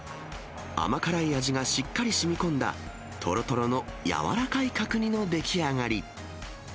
甘辛い味がしっかりしみ込んだ、とろとろの柔らかい角煮の出来上がり。